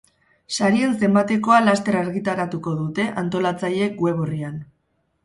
Sarien zenbatekoa laster argitaratuko dute antolatzaileek web orrian.